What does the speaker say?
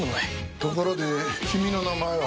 ところで君の名前は？